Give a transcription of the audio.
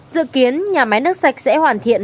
dự kiến nhà máy nước sạch sẽ hoàn thiện